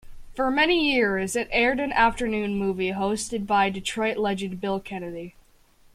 For many years, it aired an afternoon movie hosted by Detroit legend Bill Kennedy.